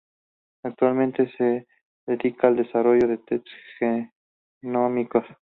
Actualmente, se dedica al desarrollo de tests genómicos.